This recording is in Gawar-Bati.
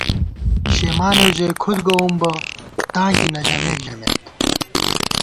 شېمانېؤ ژَئی کھُد گووُم بہ تاں کی نہ ژَمېک ژَمېت